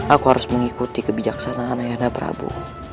aku harus mengikuti kebijaksanaan ayahnya prabu